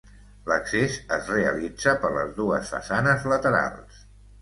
L'accés es realitza per les dues façanes laterals.